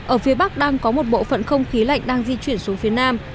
ở phía bắc đang có một bộ phận không khí lạnh đang di chuyển xuống phía nam